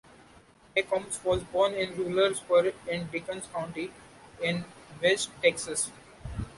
McCombs was born in rural Spur in Dickens County in West Texas.